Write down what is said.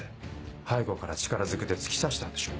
背後から力づくで突き刺したんでしょう。